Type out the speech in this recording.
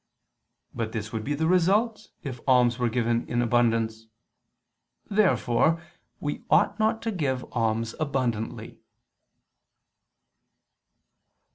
But this would be the result if alms were given in abundance. Therefore we ought not to give alms abundantly.